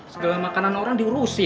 segala makanan orang diurusin